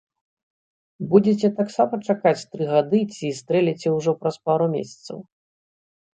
Будзеце таксама чакаць тры гады ці стрэліце ўжо праз пару месяцаў?